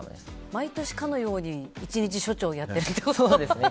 毎年かのように１日署長やってるんだね。